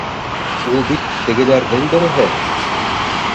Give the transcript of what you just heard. Ул бит тегеләрҙең береһе!